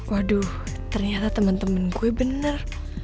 waduh ternyata temen temen gue bener